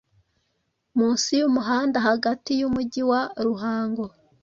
munsi y’umuhanda hagati y’umugi wa Ruhango